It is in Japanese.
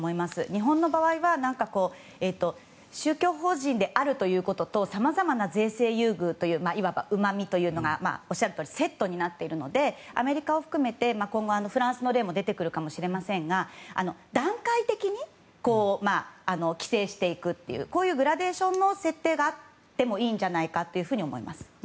日本の場合は宗教法人であるということとさまざまな税制優遇といういわばうまみというのがおっしゃるとおりセットになっているのでアメリカを含めて今後、フランスの例も出てくるかもしれませんが段階的に規制していくというグラデーションの設定があってもいいんじゃないかと思います。